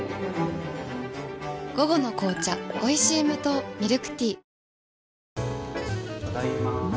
午後の紅茶おいしい無糖ミルクティー